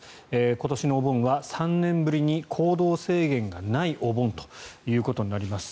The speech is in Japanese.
今年のお盆は３年ぶりに行動制限がないお盆ということになります。